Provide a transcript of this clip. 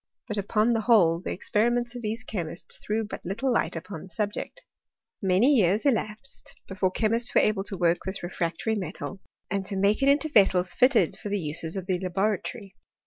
But upon the whole the experiments of these chemists threw but little light upon the subject. Many years elapsed before chemists were able to work this refractory metal, and to make it into vessels fitted for the uses of the laboratory.